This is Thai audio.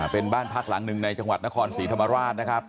เป็นบ้านพักหลังหนึ่งในจังหวัดนครศรีธรรมราชนะครับ